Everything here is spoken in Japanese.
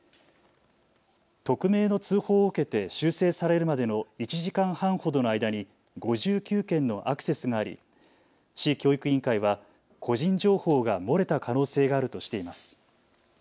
匿名の通報を受けて修正されるまでの１時間半ほどの間に５９件のアクセスがあり市教育委員会は個人情報が漏れた可能性があるとしています。